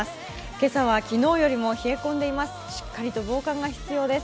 今朝は昨日よりも冷え込んでいます。